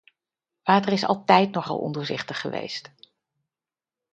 Water is altijd nogal ondoorzichtig geweest.